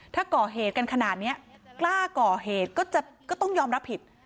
ถ้าก่อเหตุกันขนาดนี้กล้าก่อเหตุก็ต้องยอมรับผิด